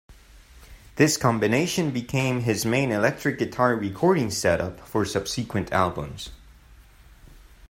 This combination became his main electric guitar recording setup for subsequent albums.